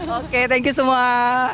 oke thank you semua